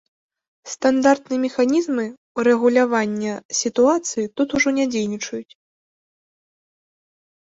Стандартныя механізмы ўрэгулявання сітуацыі тут ужо не дзейнічаюць.